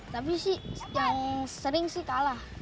tapi sih yang sering sih kalah